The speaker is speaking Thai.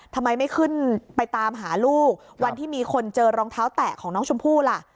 ทำไมไม่ขึ้นไปตามหาลูกวันที่มีคนเจอรองเท้าแตะของน้องชมพู่ล่ะ